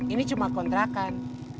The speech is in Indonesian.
ini cuma kontrakan